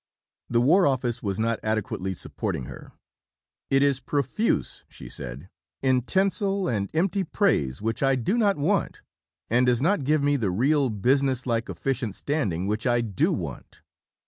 The War Office was not adequately supporting her. "It is profuse," she said, "in tinsel and empty praise which I do not want, and does not give me the real business like efficient standing which I do want."